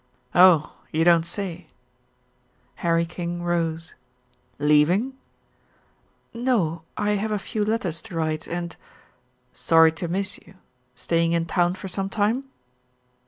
"Oh, you don't say!" Harry King rose. "Leaving?" "No. I have a few letters to write and " "Sorry to miss you. Staying in town for some time?"